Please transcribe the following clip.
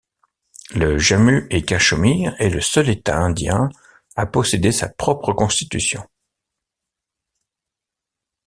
Le Jammu-et-Cachemire est le seul État indien à posséder sa propre Constitution.